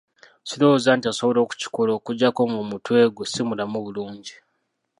Sirowooza nti asobola okukikola okuggyako ng'omutwe gwe si mulamu bulungi.